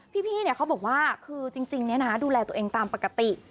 พี่เขาบอกว่าคือจริงดูแลตัวเองตามปกติ